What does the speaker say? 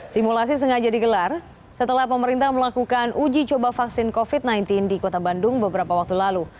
simulasi sengaja digelar setelah pemerintah melakukan uji coba vaksin covid sembilan belas di kota bandung beberapa waktu lalu